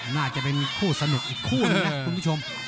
น่าจะเป็นคู่สนุกอีกคู่นี้นะเพื่อนผู้ชม